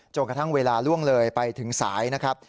กระทั่งเวลาล่วงเลยไปถึงสายนะครับ